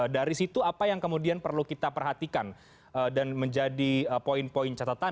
dari situ apa yang kemudian perlu kita perhatikan dan menjadi poin poin catatan